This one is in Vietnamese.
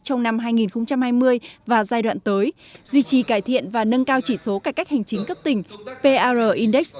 trong năm hai nghìn hai mươi và giai đoạn tới duy trì cải thiện và nâng cao chỉ số cải cách hành chính cấp tỉnh pr index